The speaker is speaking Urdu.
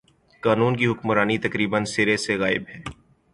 قانون کی حکمرانی تقریبا سر ے سے غائب ہے۔